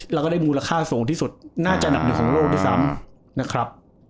แล้วก็ได้มูลค่าสูงที่สุดน่าจะหนักหนึ่งของโลกด้วยซ้ำนะครับ